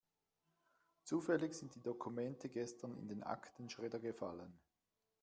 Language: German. Zufällig sind die Dokumente gestern in den Aktenschredder gefallen.